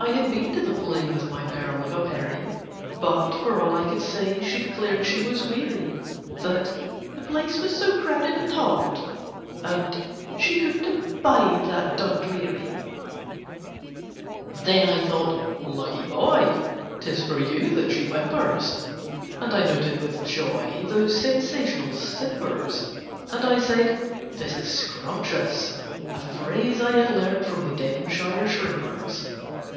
I had been to the play With my pearl of a Peri— But, for all I could say, She declared she was weary, That "the place was so crowded and hot, and she couldn't abide that Dundreary." [Picture: On this spot ...] Then I thought "Lucky boy! 'Tis for you that she whimpers!" And I noted with joy Those sensational simpers: And I said "This is scrumptious!"—a phrase I had learned from the Devonshire shrimpers.